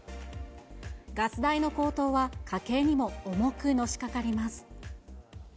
ガス代の高騰は家計にも重くのしかかります。